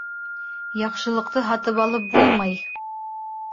Яҡшылыҡты һатып алып булмай.